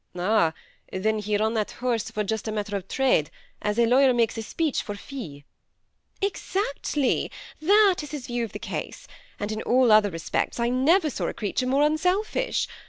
168 THE SEMI ATTACHED COUPLE. ^Ah, then, he run that horse just for a matter of trade, as a lawyer makes a speech for fee." ^^ Exactly, that is his view of the case ; and in aJl other respects I never saw a creature more unselfish.